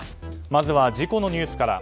まずは事故のニュースから。